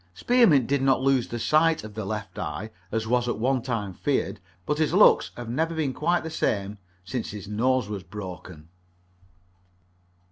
Spearmint did not lose the sight of the left eye, as was at one time feared, but his looks have never been quite the same since his nose was broken.